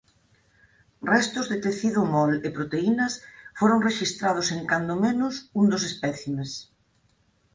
Restos de tecido mol e proteínas foron rexistrados en cando menos un dos espécimes.